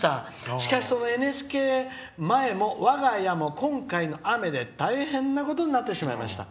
しかし、そのＮＨＫ前も我が家も今回の雨で大変なことになってしまいました。